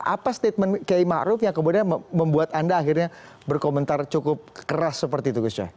apa statement kiai ⁇ maruf ⁇ yang kemudian membuat anda akhirnya berkomentar cukup keras seperti itu gus coy